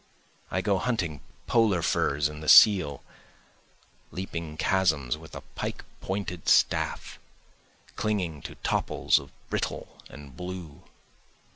I go hunting polar furs and the seal, leaping chasms with a pike pointed staff, clinging to topples of brittle and blue.